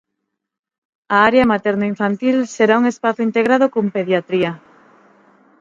A área maternoinfantil será un espazo integrado con pediatría.